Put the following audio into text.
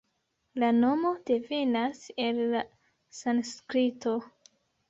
La nomo devenas el la sanskrito.